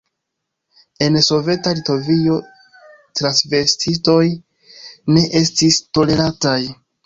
En soveta Litovio transvestitoj ne estis tolerataj.